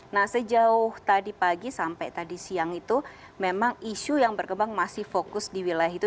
nah sejauh tadi pagi sampai tadi siang itu memang isu yang berkembang masih fokus di wilayah itu